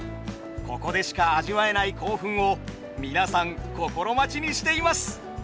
ここでしか味わえない興奮を皆さん心待ちにしています。